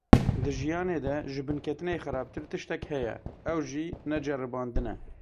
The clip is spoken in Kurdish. Di jiyanê de ji binketinê xerabtir tiştek heye; ew jî neceribandin e.